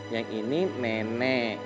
yang ini nenek